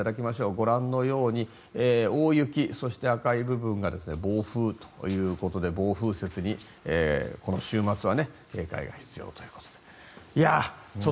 ご覧のように大雪そして赤い部分が暴風ということで暴風雪にこの週末は警戒が必要ということで。